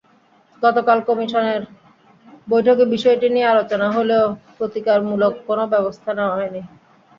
গতকাল কমিশনের বৈঠকে বিষয়টি নিয়ে আলোচনা হলেও প্রতিকারমূলক কোনো ব্যবস্থা নেওয়া হয়নি।